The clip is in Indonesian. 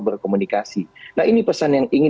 berkomunikasi nah ini pesan yang ingin